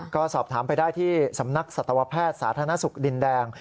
ก็สอบถามไปได้ที่สำนักสัตวแพทย์สาธารณสุขดินแดง